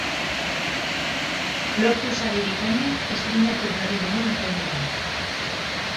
Lortu sari bikainak estreinatu berri dugun atarian.